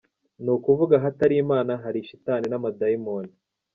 Ni ukuvuga ahatari Imana, hari shitani n’amadayimoni.